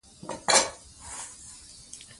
د اثارو موضوع یې د انسان دروني نړۍ ده.